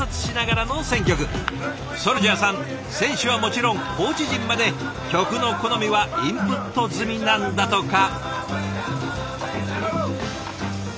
ＳＯＵＬＪＡＨさん選手はもちろんコーチ陣まで曲の好みはインプット済みなんだとか。